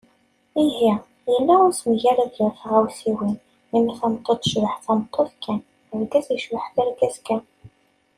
Ihi, yelha usemgarad gar tɣawsiwin, imi tameṭṭut tecbeḥ d tameṭṭut kan, argaz yecbeḥ d argaz kan.